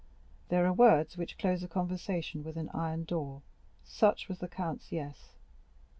There are words which close a conversation with an iron door; such was the count's "yes."